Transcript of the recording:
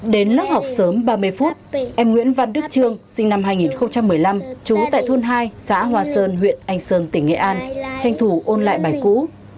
đến lớp học sớm ba mươi phút em nguyễn văn đức trương sinh năm hai nghìn một mươi năm trú tại thôn hai xã hoa sơn huyện anh sơn tỉnh nghệ an tranh thủ ôn lại bài cũ